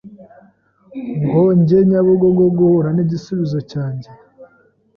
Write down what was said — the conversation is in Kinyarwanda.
ngo njye Nyabugogo guhura n’igisubizo cyanjye.